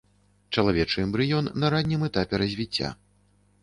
Чалавечы эмбрыён на раннім этапе развіцця.